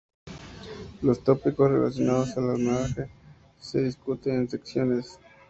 Los tópicos relacionados al almacenaje se discuten en esas secciones.